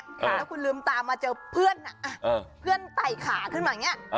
แล้วคุณลืมตามาเจอเพื่อนเพื่อนไต่ขาขึ้นมาอย่างนี้